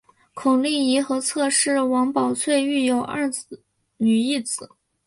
孔令贻和侧室王宝翠育有二女一子。